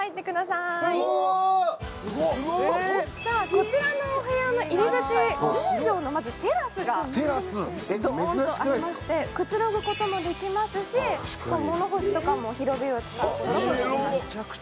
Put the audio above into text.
こちらのお部屋の入り口１０畳のまずテラスがありましてくつろぐこともできますし、物干しとかも広々使えます。